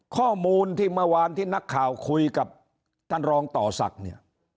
ข้อมูลที่เมื่อวานที่นักข่าวคุยกับท่านรองต่อศักดิ์เนี่ย